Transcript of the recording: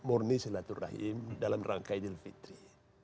murni silaturahim dalam rangka idul fitri